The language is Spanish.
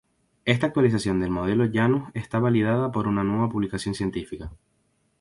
Esta actualización del modelo Janus está validada por una nueva publicación científica.